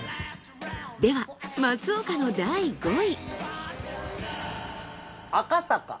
では松岡の第５位。